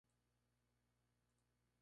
El diseño fue hecho por Norman Foster.